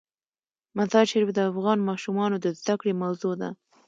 مزارشریف د افغان ماشومانو د زده کړې موضوع ده.